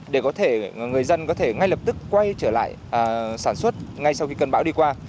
để có thể người dân có thể ngay lập tức quay trở lại